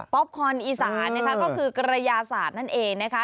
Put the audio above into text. ป๊อปคอนอีสานนะคะก็คือกระยาศาสตร์นั่นเองนะคะ